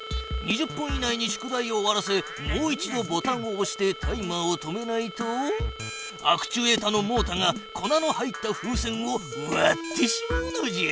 ２０分以内に宿題を終わらせもう一度ボタンをおしてタイマーを止めないとアクチュエータのモータが粉の入った風船をわってしまうのじゃ。